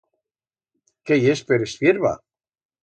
Qué yes, per Espierba?